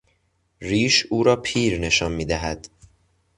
ریش، او را پیر نشان میدهد.